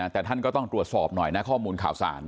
แต่ท่านก็ต้องตรวจสอบหน่อยนะข้อมูลข่าวสาร